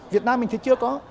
việt nam mình thì chưa có